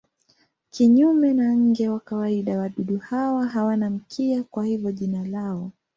Kinyume na nge wa kawaida wadudu hawa hawana mkia, kwa hivyo jina lao.